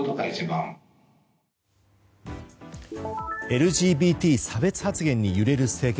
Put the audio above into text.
ＬＧＢＴ差別発言に揺れる政権。